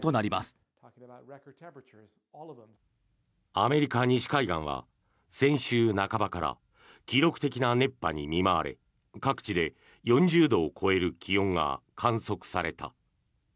アメリカ西海岸は先週半ばから記録的な熱波に見舞われ各地で４０度を超える気温が観測された。